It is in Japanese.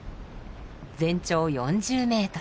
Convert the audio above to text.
全長４０ｍ。